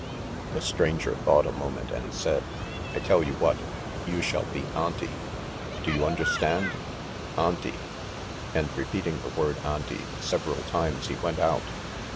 The stranger thought a moment and said: "I tell you what ... you shall be Auntie. ... Do you understand? Auntie!" And repeating the word "Auntie" several times he went out.